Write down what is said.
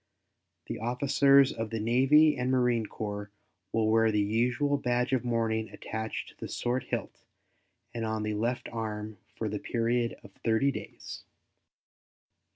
The officers of the Navy and Marine Corps will wear the usual badge of mourning attached to the sword hilt and on the left arm for the period of thirty days.